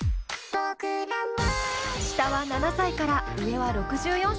下は７歳から上は６４歳まで。